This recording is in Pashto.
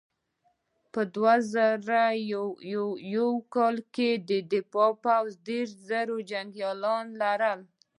په دوه زره یو کال کې د دفاع پوځ دېرش زره جنګیالي لرل.